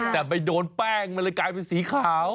แต่ไปโดนแป้งมันเลยกลายเป็นสีขาว